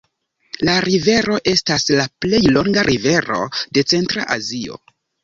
La rivero estas la plej longa rivero de Centra Azio.